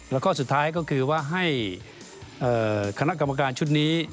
แล้วก็สุดท้ายก็คือว่าให้คณะกรรมการชุดนี้